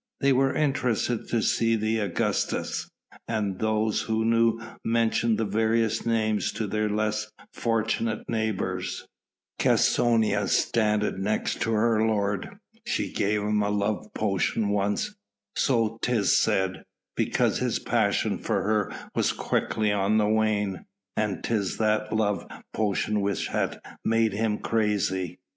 They were interested to see the Augustas, and those who knew mentioned the various names to their less fortunate neighbours. "Cæsonia standeth next her lord. She gave him a love potion once, so 'tis said, because his passion for her was quickly on the wane. And 'tis that love potion which hath made him crazy."